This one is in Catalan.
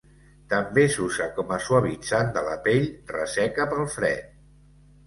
També s'usa com a suavitzant de la pell resseca pel fred.